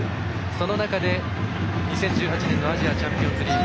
その中で２０１８年のアジアチャンピオンズリーグ